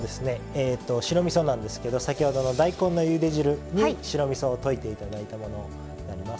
白みそなんですけど先ほどの大根のゆで汁に白みそを溶いていただいたものになります。